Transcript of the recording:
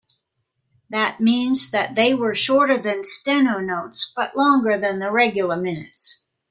That means that they were shorter than steno-notes but longer than the regular minutes.